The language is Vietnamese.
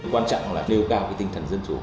quan trọng là nêu cao tinh thần dân chủ